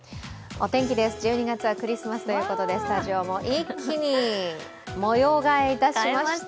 お天気です、１２月はクリスマスということでスタジオも一気にもよう替えいたしました。